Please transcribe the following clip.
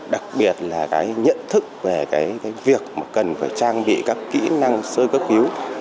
đặc biệt là nhận thức về việc cần trang bị các kỹ năng sơ cấp cứu